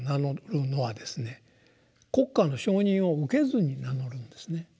国家の承認を受けずに名乗るんですね。